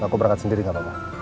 aku berangkat sendiri nggak apa apa